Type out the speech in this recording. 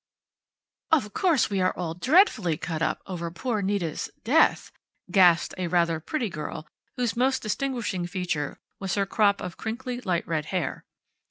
"Of course, we are all dreadfully cut up over poor Nita's death," gasped a rather pretty girl, whose most distinguishing feature was her crop of crinkly, light red hair.